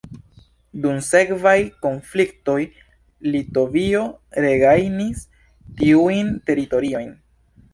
Dum sekvaj konfliktoj Litovio regajnis tiujn teritoriojn.